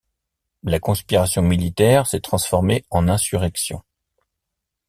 La conspiration militaire s’est transformée en insurrection.